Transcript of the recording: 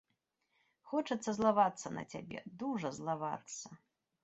Хочацца злавацца на цябе, дужа злавацца.